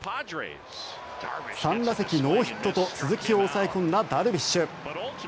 ３打席ノーヒットと鈴木を抑え込んだダルビッシュ。